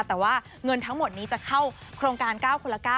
แต่ว่าเงินทั้งหมดนี้จะเข้าโครงการ๙คนละ๙